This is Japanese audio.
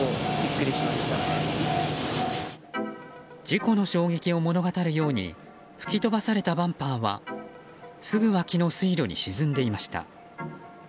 事故の衝撃を物語るように吹き飛ばされたバンパーはすぐ脇の水路に沈んでいました。